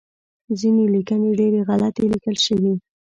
ځینې لیکنې ډیری غلطې لیکل شوی